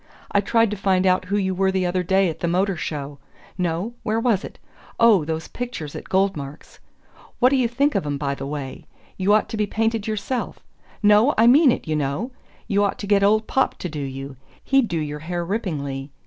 I tried to find out who you were the other day at the Motor Show no, where was it? Oh, those pictures at Goldmark's. What d'you think of 'em, by the way? You ought to be painted yourself no, I mean it, you know you ought to get old Popp to do you. He'd do your hair ripplingly.